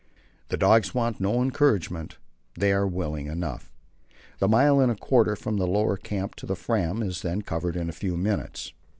The dogs want no encouragement; they are willing enough. The mile and a quarter from the lower camp to the Fram is then covered in a few minutes.